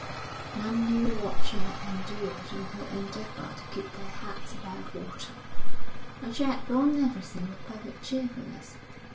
None knew what she had endured in her endeavour to keep their heads above water. And she had borne everything with perfect cheerfulness.